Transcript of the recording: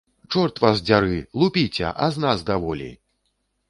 Чорт вас дзяры, лупіце, а з нас даволі!